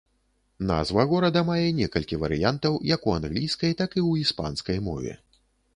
Назва горада мае некалькі варыянтаў як у англійскай, так і ў іспанскай мове.